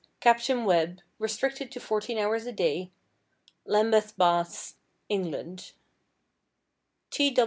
Capt. Webb (restricted to 14 hours a day), Lambeth Baths, England.